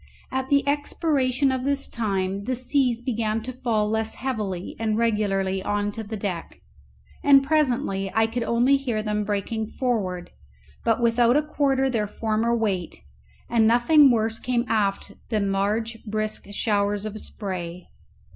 At the expiration of this time the seas began to fall less heavily and regularly on to the deck, and presently I could only hear them breaking forward, but without a quarter their former weight, and nothing worse came aft than large brisk showers of spray.